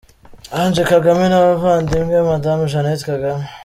Ange Kagame n'abavandimwe be, Madamu Jeannette Kagame,.